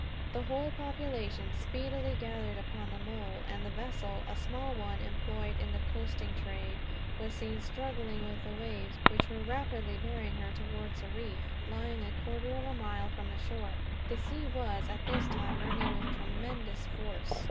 The whole population speedily gathered upon the mole, and the vessel, a small one employed in the coasting trade, was seen struggling with the waves, which were rapidly bearing her towards a reef, lying a quarter of a mile from the shore. The sea was, at this time, running with tremendous force.